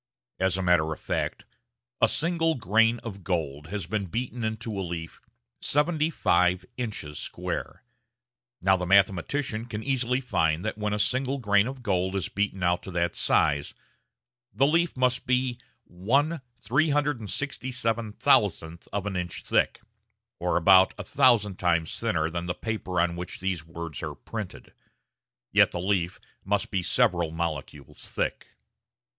As a matter of fact, a single grain of gold has been beaten into a leaf seventy five inches square. Now the mathematician can easily find that when a single grain of gold is beaten out to that size, the leaf must be 1/367,000 of an inch thick, or about a thousand times thinner than the paper on which these words are printed; yet the leaf must be several molecules thick.